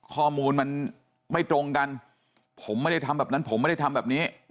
ข้อมูลมันไม่ตรงกันผมไม่ได้ทำแบบนั้นผมไม่ได้ทำแบบนี้